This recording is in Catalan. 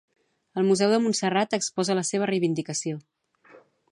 El Museu de Montserrat exposa la seva reivindicació.